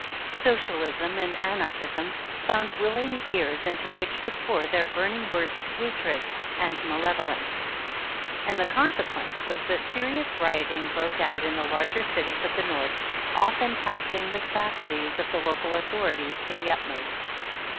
Socialism and Anarchism found willing ears into which to pour their burning words of hatred and malevolence, and the conse quence was that serious rioting broke out in the larger cities of the North, often taxing the capacities of the local authorities to the utmost.